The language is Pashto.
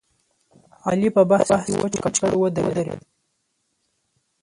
علي په بحث کې وچ ککړ ودرېدل.